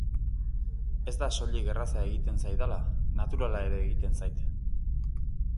Ez da soilik erraza egiten zaidala, naturala ere egiten zait.